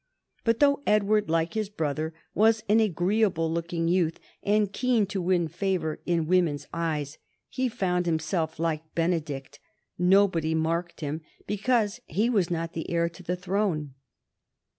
But though Edward, like his brother, was an agreeable looking youth, and keen to win favor in women's eyes, he found himself like Benedict: nobody marked him because he was not the heir to the throne.